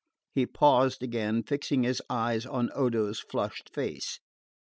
He paused again, fixing his eyes on Odo's flushed face.